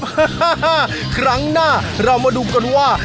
ฮะฮะฮะครั้งหน้าเรามาดูกันว่า